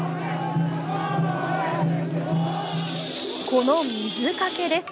この水かけです。